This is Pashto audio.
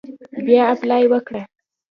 بیا اپلای وکړه.